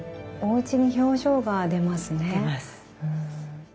おうちに表情が出ますね。